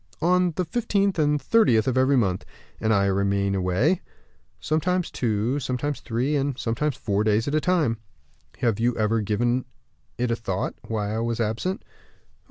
"On the fifteenth and thirtieth of every month." "And I remain away?" "Sometimes two, sometimes three, and sometimes four days at a time." "Have you ever given it a thought, why I was absent?"